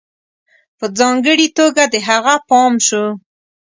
په ځانگړي توگه د هغه پام شو